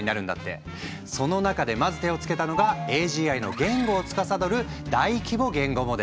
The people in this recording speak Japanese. その中でまず手をつけたのがＡＧＩの言語をつかさどる大規模言語モデル。